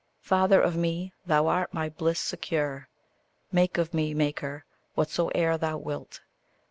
Father of me, thou art my bliss secure. Make of me, maker, whatsoe'er thou wilt.